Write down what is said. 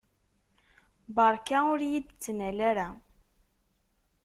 Beṛka ur yi-d-ttnal ara.